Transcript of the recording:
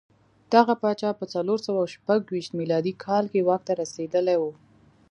دغه پاچا په څلور سوه شپږ ویشت میلادي کال کې واک ته رسېدلی و